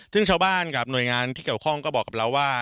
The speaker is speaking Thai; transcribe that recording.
ซึ่งชาวบ้านกับหน่วยงานที่เกี่ยวข้องก็บอกกับเราว่า